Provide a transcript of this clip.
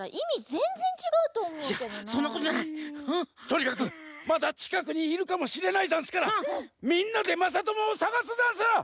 とにかくまだちかくにいるかもしれないざんすからみんなでまさともをさがすざんす！